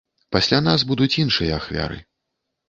Пасля нас будуць іншыя ахвяры.